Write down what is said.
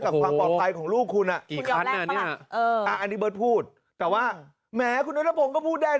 กับความปลอดภัยของลูกคุณอันนี้เบิร์ตพูดแต่ว่าแม้คุณโดนทะพงก็พูดได้เลย